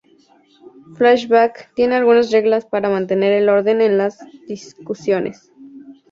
Flashback tiene algunas reglas para mantener el orden en las discusiones.